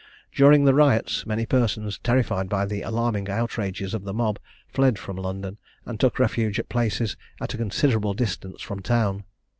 During the riots, many persons, terrified by the alarming outrages of the mob, fled from London, and took refuge at places at a considerable distance from town.